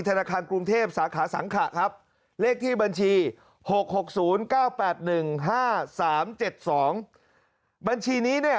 ธนาคารกรุงเทพสาขาสังขะครับเลขที่บัญชี๖๖๐๙๘๑๕๓๗๒บัญชีนี้เนี่ย